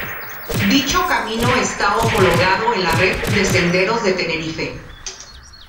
Dicho camino está homologado en la Red de Senderos de Tenerife.